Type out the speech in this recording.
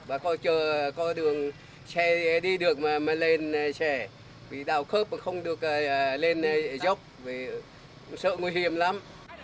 và có đường xe đi được mà lên xe vì đào khớp mà không được lên dốc sợ nguy hiểm lắm